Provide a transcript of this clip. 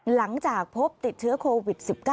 หลังจากพบติดเชื้อโควิด๑๙